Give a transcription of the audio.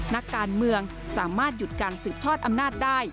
นักการเมืองสามารถหยุดการสืบทอดอำนาจได้